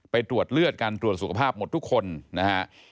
ตรวจเลือดกันตรวจสุขภาพหมดทุกคนนะฮะ